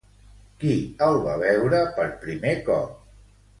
Qui el va veure per primer cop?